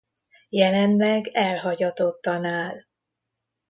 Jelenleg elhagyatottan áll.